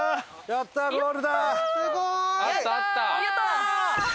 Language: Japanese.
やったー！